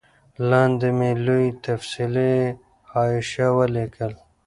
لاندي مي لوی تفصیلي حاشیه ولیکل